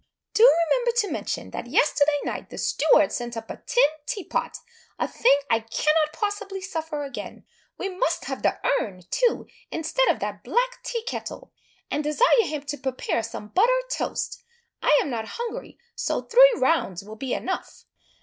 Do remember to mention, that yesterday night the steward sent up a tin tea pot, a thing I cannot possibly suffer again. We must have the urn, too, instead of that black tea kettle; and desire him to prepare some butter toast I am not hungry, so three rounds will be enough.